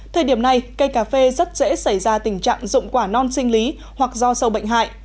thời điểm này cây cà phê rất dễ xảy ra tình trạng dụng quả non sinh lý hoặc do sâu bệnh hại